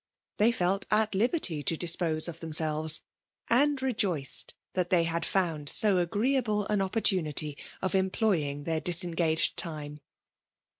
They felt at Uberty to dispose of themselves ; and rejoiced that they had found so agreeable an opportunity of employing their disengaged time.